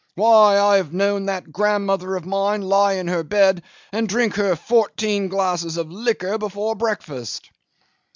Why, I have known that grandmother of mine lie in her bed and drink her four teen glasses of liquor before breakfast!